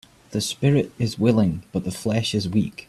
The spirit is willing but the flesh is weak